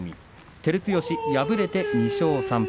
照強、敗れて２勝３敗。